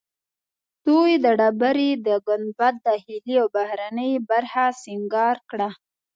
دوی د ډبرې د ګنبد داخلي او بهرنۍ برخه سنګار کړه.